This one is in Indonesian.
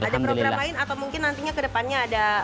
ada program lain atau mungkin nantinya ke depannya ada